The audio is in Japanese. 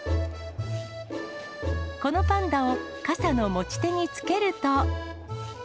このパンダを傘の持ち手に付けると。